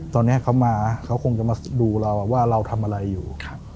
ตอนนี้เขามาเขาคงจะมาดูเราว่าเราทำอะไรอยู่